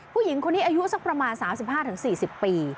ผู้หญิงคนนี้อายุสักประมาณ๓๕๔๐ปี